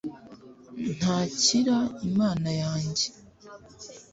ntakira imana yanjye